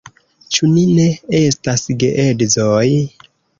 Ĉu ni ne estas geedzoj?